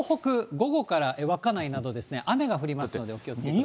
午後から稚内などですね、雨が降りますので、お気をつけください。